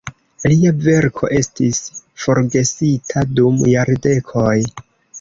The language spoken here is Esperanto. Lia verko estis forgesita dum jardekoj.